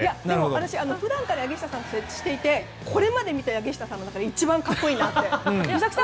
私、普段から柳下さんと接していてこれまで見た柳下さんの中で一番かっこいいなと。